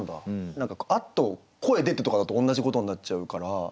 何か「アッと声出て」とかだと同じことになっちゃうから。